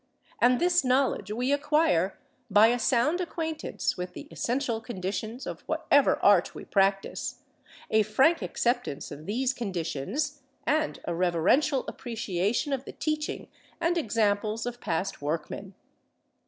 And this knowledge we acquire by a sound acquaintance with the essential conditions of whatever art we practise, a frank acceptance of these conditions, and a reverential appreciation of the teaching and examples of past workmen.